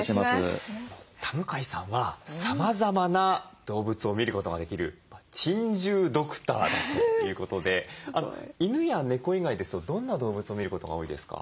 田向さんはさまざまな動物を診ることができる珍獣ドクターだということで犬や猫以外ですとどんな動物を診ることが多いですか？